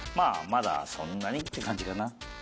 まだそんなにって感じかな。